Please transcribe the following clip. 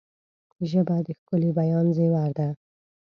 ژبه د ښکلي بیان زیور ده